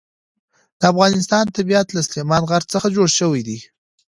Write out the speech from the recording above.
د افغانستان طبیعت له سلیمان غر څخه جوړ شوی دی.